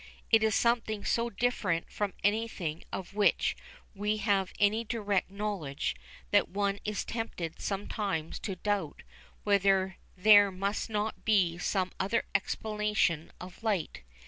It is something so different from anything of which we have any direct knowledge that one is tempted sometimes to doubt whether there must not be some other explanation of light.